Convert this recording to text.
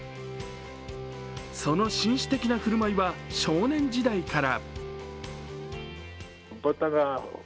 その紳士的な振る舞いは少年時代から。